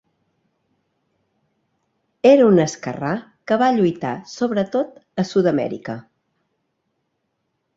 Era un esquerrà que va lluitar sobretot a Sud-Amèrica.